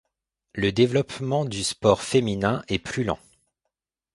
Le développement du sport féminin est plus lent.